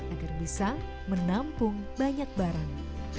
agar bisa menampung banyak barang